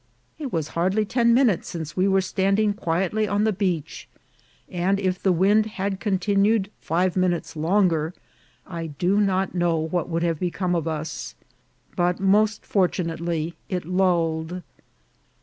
It was hardly ten minutes since we were standing quietly on the beach, and if the wind had continued five minutes longer I do not know what would have become of us; but, most fortunately, it lulled.